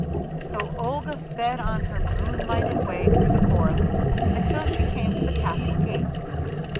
So Olga sped on her moon lighted way through the forest until she came to the castle gate.